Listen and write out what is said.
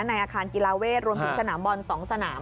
ในอาคารกีฬาเวทรวมถึงสนามบอล๒สนาม